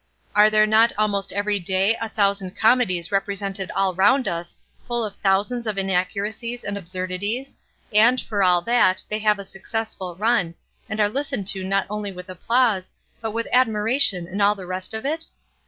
Are there not almost every day a thousand comedies represented all round us full of thousands of inaccuracies and absurdities, and, for all that, they have a successful run, and are listened to not only with applause, but with admiration and all the rest of it?